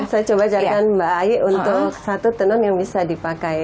saya coba carikan mbak ayu untuk satu tenun yang bisa dipakai